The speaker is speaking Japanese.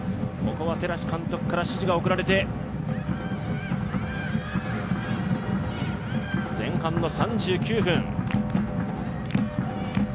ここは寺師監督から指示が送られて、前半の３９分。